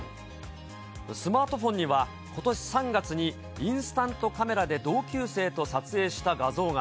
スマートフォンには、ことし３月にインスタントカメラで同級生と撮影した画像が。